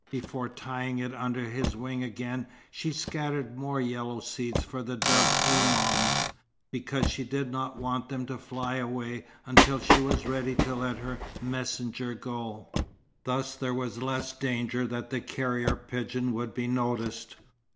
Before tying it under his wing again, she scattered more yellow seeds for the dove Imams, because she did not want them to fly away until she was ready to let her messenger go. Thus there was the less danger that the carrier pigeon would be noticed.